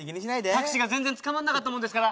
タクシーが全然つかまらなかったものですから。